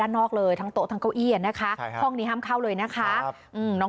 แต่ถ้ามันมีอาการเราก็พบใกล้ใคร